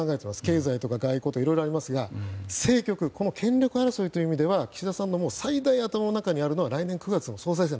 経済や外交いろいろありますが政局、権力争いという意味では岸田さんの最大の頭の中にあるのは来年９月の総裁選。